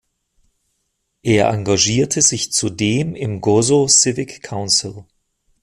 Er engagierte sich zudem im "Gozo Civic Council".